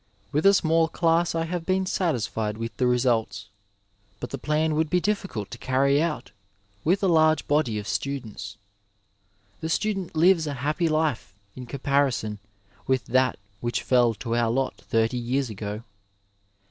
With a small class I have been satisfied with the results, but the plan would be difficult to carry out with a large body of students. The student lives a happy life in comparison with that which fell to our lot thirty years ago.